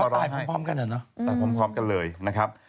แต่พร้อมพร้อมกันเลยนะครับ